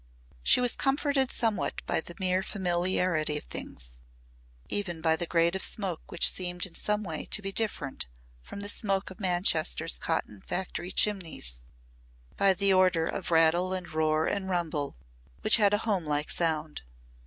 She was comforted somewhat by the mere familiarity of things even by the grade of smoke which seemed in some way to be different from the smoke of Manchester's cotton factory chimneys by the order of rattle and roar and rumble, which had a homelike sound.